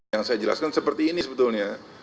yang saya jelaskan seperti ini sebetulnya